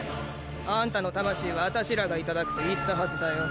アンタの魂は私らがいただくと言ったはずだよ。